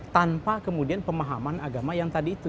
tanpa kemudian pemahaman agama yang tadi itu